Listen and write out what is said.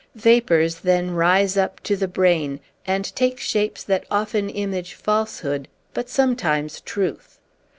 Vapors then rise up to the brain, and take shapes that often image falsehood, but sometimes truth.